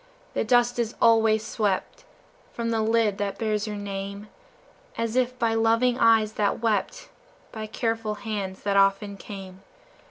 the dust is always swept From the lid that bears your name, As if by loving eyes that wept, By careful hands that often came.